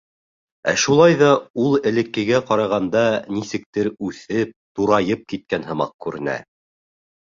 Ә шулай ҙа ул элеккегә ҡарағанда нисектер үҫеп, турайып киткән һымаҡ күренә.